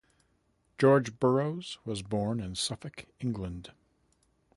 George Burroughs was born in Suffolk, England.